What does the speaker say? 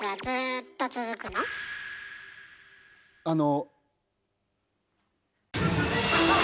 あの。